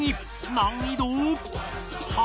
難易度８。